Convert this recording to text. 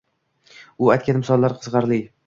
U aytgan misollar qiziqarli